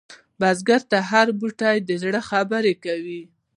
بزګر ته هره بوټۍ د زړه خبره کوي